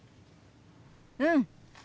うん！